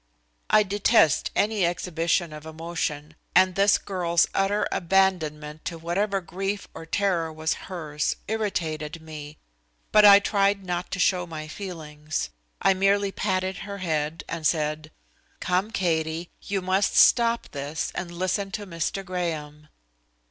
I detest any exhibition of emotion, and this girl's utter abandonment to whatever grief or terror was hers irritated me. But I tried not to show my feelings. I merely patted her head and said: "Come, Katie, you must stop this and listen to Mr. Graham."